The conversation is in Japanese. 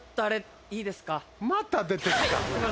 また出てきた。